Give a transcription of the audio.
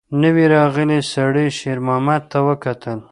نوي راغلي سړي شېرمحمد ته وکتل.